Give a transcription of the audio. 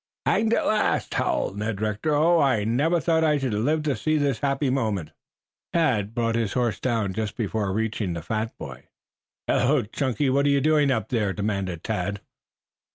"Hanged at last!" howled Ned Rector. "Oh, I never thought I should live to see this happy moment!" Tad brought his horse down just before reaching the fat boy. "Hello, Chunky, what are you doing up there?" demanded Tad.